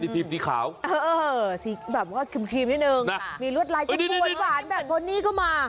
สีขาวสีแบบก็คลิ่มนิดนึงมีรวดลายชิ้นปวดหวานแบบตรงนี้ก็มา